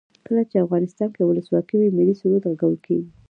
کله چې افغانستان کې ولسواکي وي ملي سرود غږول کیږي.